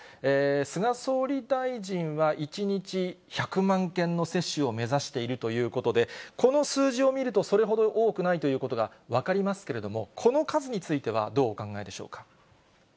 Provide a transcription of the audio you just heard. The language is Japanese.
菅総理大臣は１日１００万件の接種を目指しているということで、この数字を見ると、それほど多くないということが分かりますけれども、この数についてはどうお考えでしょうか。